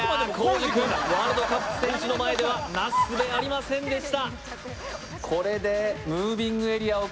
ワールドカップ戦士の前では、なすすべありませんでした。